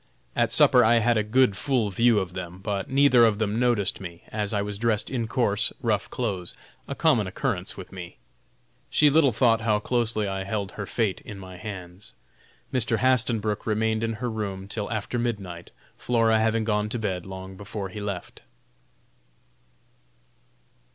At supper I had a good full view of them, but neither of them noticed me, as I was dressed in coarse, rough clothes a common occurrence with me. She little thought how closely I held her fate in my hands. Mr. Hastenbrook remained in her room till after midnight, Flora having gone to bed long before he left.